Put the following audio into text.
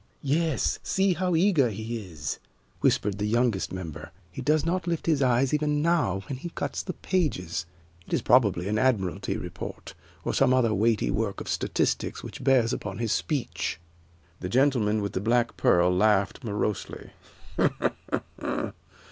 "Yes, see how eager he is," whispered the youngest member. "He does not lift his eyes even now when he cuts the pages. It is probably an Admiralty Report, or some other weighty work of statistics which bears upon his speech." The gentleman with the black pearl laughed morosely.